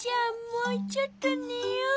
もうちょっとねよう。